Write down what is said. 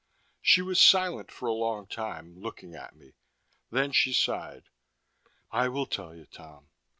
She was silent for a long time, looking at me. Then she sighed. "I will tell you, Tom.